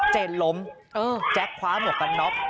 เจนล้มแจ๊คคว้าหมวกกันน็อก